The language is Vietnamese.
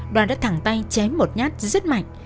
đoàn đã thẳng tay chém một nhát rất mạnh